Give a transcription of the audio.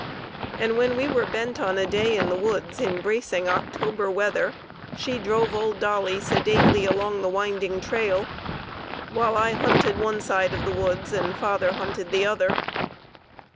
And when we were bent on a day in the woods in bracing October weather she drove old Dolly sedately along the winding trail, while I hunted one side of the woods and father hunted the other.